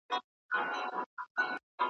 قصابان یې د لېوه له زامو ژغوري ,